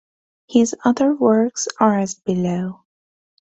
His other works are as below.